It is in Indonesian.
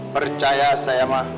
percaya saya mah